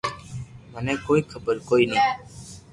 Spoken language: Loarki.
منو ڪوئي خبر ڪوئي ني